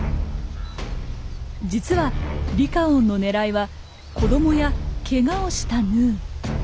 実はリカオンの狙いは子供やケガをしたヌー。